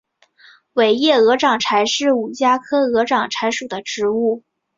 尾叶鹅掌柴是五加科鹅掌柴属的植物。